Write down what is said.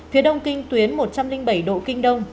phía đông kinh tuyến một trăm linh bảy độ kinh đông